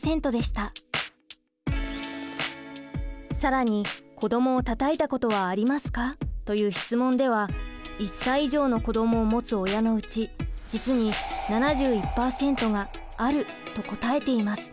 更に「子どもをたたいたことはありますか？」という質問では１歳以上の子どもを持つ親のうち実に７１％が「ある」と答えています。